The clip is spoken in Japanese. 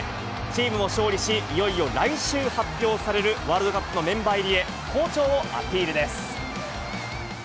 チームも勝利し、いよいよ来週発表されるワールドカップのメンバー入りへ、好調をアピールです。